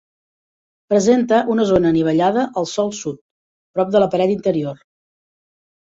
Presenta una zona anivellada al sòl sud, prop de la paret interior.